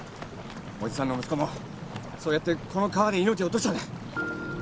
おじさんの息子もそうやってこの川で命落としたんだ。